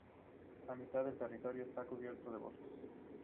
La mitad del territorio está cubierto de bosques.